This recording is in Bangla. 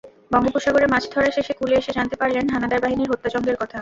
বঙ্গোপসাগরে মাছ ধরা শেষে কূলে এসে জানতে পারলেন হানাদার বাহিনীর হত্যাযজ্ঞের কথা।